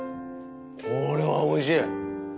これはおいしい！